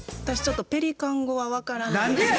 私ちょっとペリカン語は分からないんで。